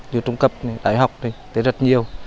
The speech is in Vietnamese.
như trung cấp đại học rất nhiều